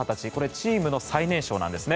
チームの最年少なんですね。